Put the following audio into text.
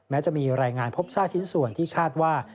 จะมีรายงานพบซากชิ้นส่วนที่คาดว่า